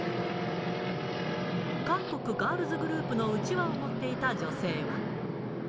韓国ガールズグループのうちわを持っていた女性は。